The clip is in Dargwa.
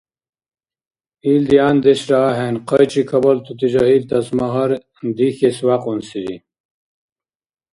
Ил дигӀяндешра ахӀен: хъайчикабалтути жагьилтас магьар дихьес вякьунсири